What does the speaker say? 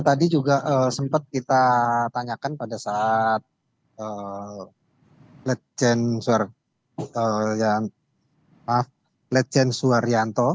tadi juga sempat kita tanyakan pada saat lejen suharyanto